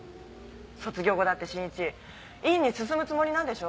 卒業後だって真一院に進むつもりなんでしょ？